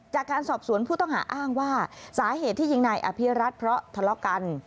จากการสอบสวนผู้ต้องหาอ้างว่าสาเหตุที่ยิงนายอภิรัตน์เพราะทะเลาะกัน